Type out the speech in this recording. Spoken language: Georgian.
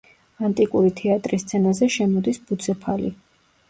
ანტიკური თეატრის სცენაზე შემოდის ბუცეფალი.